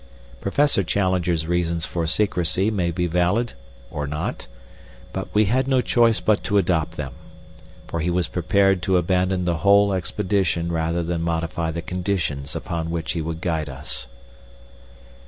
Professor Challenger's reasons for secrecy may be valid or not, but we had no choice but to adopt them, for he was prepared to abandon the whole expedition rather than modify the conditions upon which he would guide us.